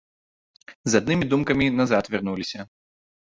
З аднымі думкамі назад вярнуліся.